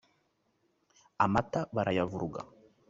amata barayavuruga.